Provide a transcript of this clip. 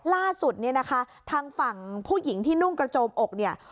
ล่าสุดเนี่ยนะคะทางฝั่งผู้หญิงที่นุ่งกระโจมอกเนี่ย